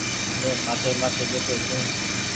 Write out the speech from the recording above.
مين کآٽي مآٿي ٻيٺو ڇو۔